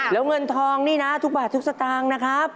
แล้วเงินทองนี่นะทุกบาททุกสตางค์นะครับ